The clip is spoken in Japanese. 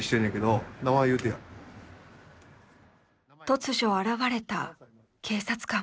突如現れた警察官。